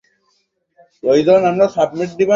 নিজের সম্পদের গর্ব ছিল তার খুব, অনেক ছিল মাল।